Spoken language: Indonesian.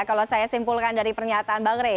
kalau saya simpulkan dari pernyataan bang rey